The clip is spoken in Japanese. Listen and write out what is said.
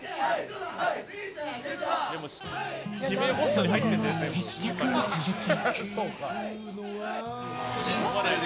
その後も接客を続け。